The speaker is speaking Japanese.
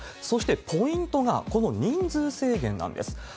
そしてポイントが、この人数制限なんです。